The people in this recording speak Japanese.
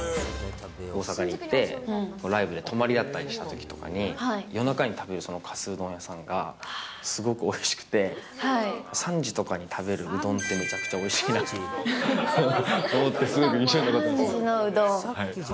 大阪に行って、ライブで泊まりだったりしたときとかに、夜中に食べるそのかすうどん屋さんが、すごくおいしくて、３時とかに食べるうどんって、めちゃくちゃおいしいなと思って、すごく３時のうどん。